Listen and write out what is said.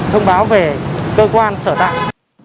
thông báo về cơ quan sở tạng